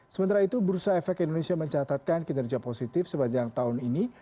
sementara itu bursa efek indonesia mencatatkan kinerja positif sepanjang tahun ini